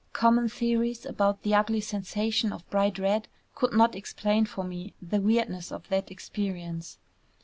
Common theories about the ugly sensation of bright red could not explain for me the weirdness of that experience.